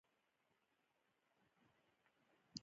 د فتاوی احمدشاهي دغه چاپ څلور سوه اته څلوېښت مخه لري.